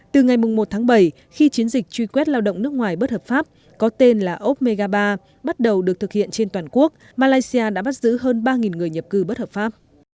từ ngày một tháng bảy khi chiến dịch truy quét lao động nước ngoài bất hợp pháp có tên là opega ba bắt đầu được thực hiện trên toàn quốc malaysia đã bắt giữ hơn ba người nhập cư bất hợp pháp